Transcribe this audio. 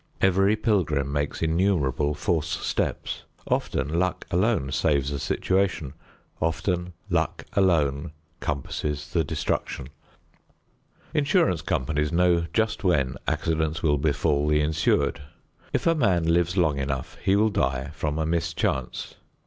Every pilgrim makes innumerable false steps; often luck alone saves the situation; often luck alone compasses the destruction. Insurance companies know just when accidents will befall the insured. If a man lives long enough he will die from a mischance.